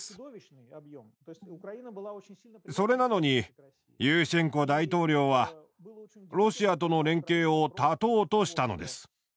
それなのにユーシェンコ大統領はロシアとの連携を断とうとしたのです。